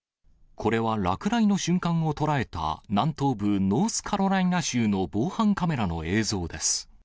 これは落雷の瞬間を捉えた、南東部ノースカロライナ州の防犯カメラの映像です。